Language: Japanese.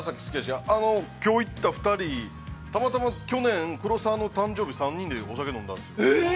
◆きょう行った２人、たまたま去年、黒沢の誕生日、お酒、飲んだんです。